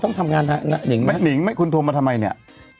ต้องมาด่ามน้ำไหนเลย